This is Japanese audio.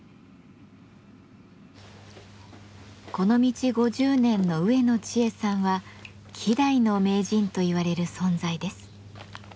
この道５０年の植野知恵さんは希代の名人といわれる存在です。